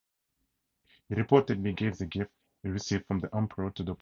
He reportedly gave the gifts he received from the emperor to the poor.